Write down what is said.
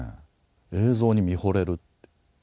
映像に見ほれる。